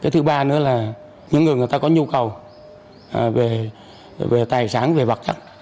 thứ ba nữa là những người người ta có nhu cầu về tài sản về vật chất